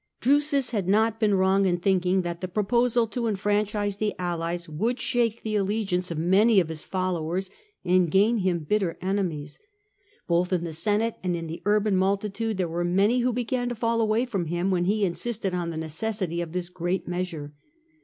Drnsns had not been wrong in thinking that the pro posal to enfranchise the allies would shake the allegiance of many of his followers, and gain him bitter enemies. Both in the Senate and in the urban multitude there were many who began to fall away from him when he insisted on the necessity of this great measure.